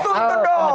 harus itu dong